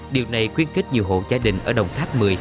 điều này khuyên kích nhiều hộ gia đình ở động tháp một mươi